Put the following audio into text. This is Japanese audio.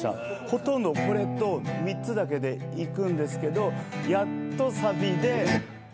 ほとんどこれと３つだけでいくんですけどやっとサビで。